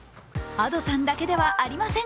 Ａｄｏさんだけではありません。